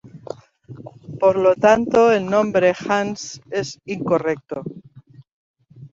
Por lo tanto, el nombre "Hans" es incorrecto.